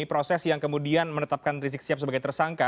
proses yang kemudian menetapkan risikosip sebagai tersangka